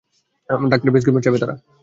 ডাক্তারের প্রেসক্রিপশন চাইবে তারা।